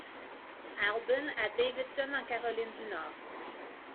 Alban à Davidson en Caroline du Nord.